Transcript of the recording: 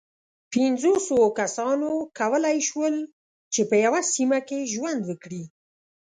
پينځو سوو کسانو کولی شول، چې په یوه سیمه کې ژوند وکړي.